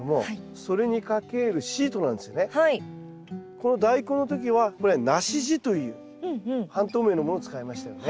このダイコンの時はこれ梨地という半透明のものを使いましたよね。